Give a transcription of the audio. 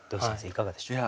いかがでしょう？